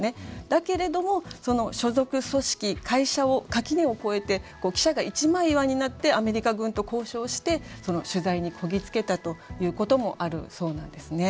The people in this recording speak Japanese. だけれども所属組織会社を垣根を越えて記者が一枚岩になってアメリカ軍と交渉して取材にこぎ着けたということもあるそうなんですね。